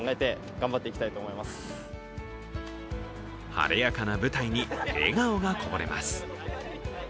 晴れやかな舞台に笑顔がこぼれます。